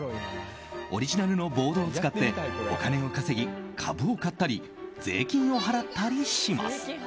オリジナルのボードを使ってお金を稼ぎ株を買ったり税金を払ったりします。